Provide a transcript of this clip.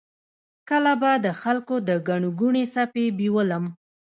کله به د خلکو د ګڼې ګوڼې څپې بیولم.